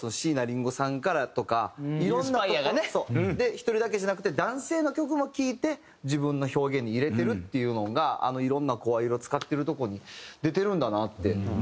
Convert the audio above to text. １人だけじゃなくて男性の曲も聴いて自分の表現に入れてるっていうのがいろんな声色使ってるところに出てるんだなって。